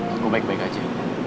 aku baik baik aja